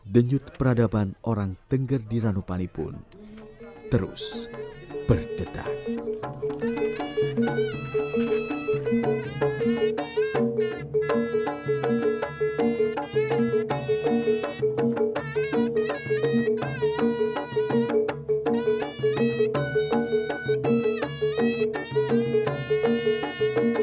denyut peradaban orang tengger di ranupani pun terus bergedar